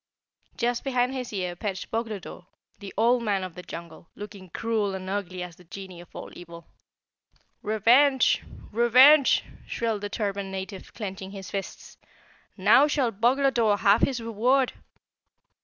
Just behind his ear perched Boglodore, the Old Man of the Jungle, looking cruel and ugly as the genie of all evil. "Revenge! Revenge!" shrilled the turbaned native, clenching his fists. "Now shall Boglodore have his reward!"